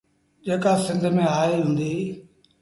جيڪآ سنڌ ميݩ آئيٚ هُݩدي۔